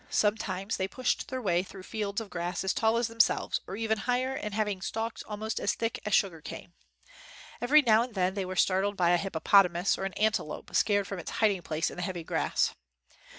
Some times they pushed their way through fields of grass as tall as themselves or even higher and having stalks almost as thick as sugar cane. Every now and then they were startled by a hippopotamus or an antelope scared from its hiding place in the heavy grass.